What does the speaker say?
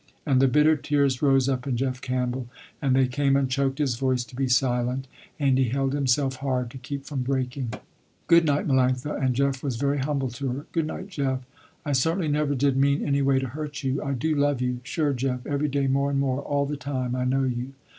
And the bitter tears rose up in Jeff Campbell, and they came and choked his voice to be silent, and he held himself hard to keep from breaking. "Good night Melanctha," and Jeff was very humble to her. "Goodnight Jeff, I certainly never did mean any way to hurt you. I do love you, sure Jeff every day more and more, all the time I know you."